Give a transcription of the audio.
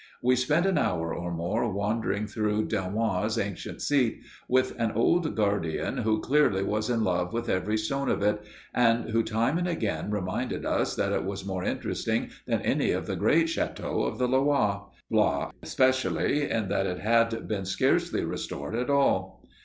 We spent an hour or more wandering through Dunois's ancient seat, with an old guardian who clearly was in love with every stone of it and who time and again reminded us that it was more interesting than any of the great châteaux of the Loire, Blois especially, in that it had been scarcely restored at all.